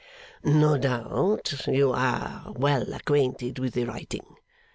'No doubt you are well acquainted with the writing.